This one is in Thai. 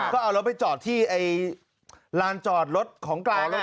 ก็เอารถไปจอดที่ลานจอดรถของกลาง